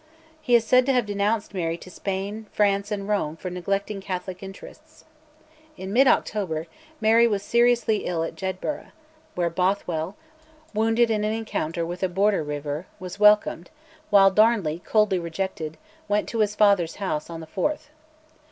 He is said to have denounced Mary to Spain, France, and Rome for neglecting Catholic interests. In mid October Mary was seriously ill at Jedburgh, where Bothwell, wounded in an encounter with a Border reiver, was welcomed, while Darnley, coldly received, went to his father's house on the Forth.